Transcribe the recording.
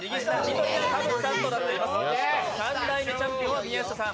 三代目チャンピオンは宮下さん